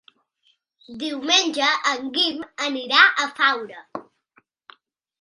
Diumenge en Guim anirà a Faura.